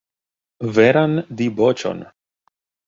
Veran diboĉon!